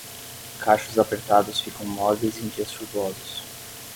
Cachos apertados ficam moles em dias chuvosos.